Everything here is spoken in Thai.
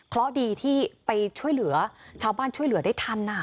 เพราะดีที่ไปช่วยเหลือชาวบ้านช่วยเหลือได้ทัน